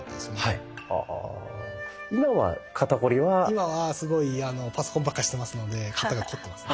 今はすごいパソコンばっかしてますので肩がこってますね。